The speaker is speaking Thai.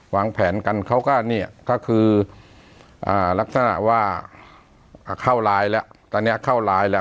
วางแผนกันเขาก็เนี่ยก็คือลักษณะว่าเข้าไลน์แล้วตอนนี้เข้าไลน์แล้ว